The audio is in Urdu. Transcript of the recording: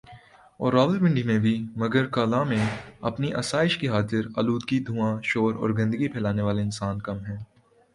اور راولپنڈی میں بھی مگر کلاں میں اپنی آسائش کی خاطر آلودگی دھواں شور اور گندگی پھیلانے والے انسان کم ہیں